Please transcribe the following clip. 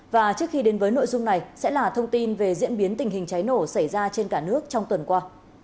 và trước khi đến với nội dung này sẽ là thông tin về diễn biến tình hình cháy nổ xảy ra trên cả nước trong tuần qua